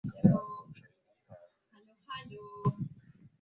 Anasikiliza muziki